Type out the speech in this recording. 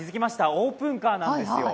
オープンカーなんですよ。